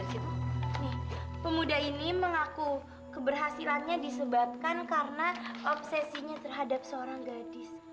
ini pemuda ini mengaku keberhasilannya disebabkan karena obsesinya terhadap seorang gadis